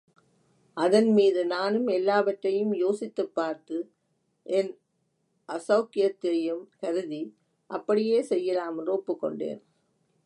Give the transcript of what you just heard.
அதன்மீது நானும் எல்லாவற்றையும் யோசித்துப் பார்த்து, என் அசௌக்கியத்தையும் கருதி, அப்படியே செய்யலாமென்று ஒப்புக்கொண்டேன்.